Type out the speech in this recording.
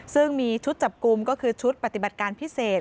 ซึ่งมีชุดจับกลุ่มก็คือชุดปฏิบัติการพิเศษ